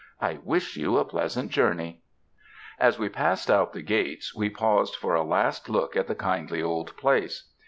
I wish you a pleasant journey." As we passed out the gates, we paused for a last look at the kindly old place.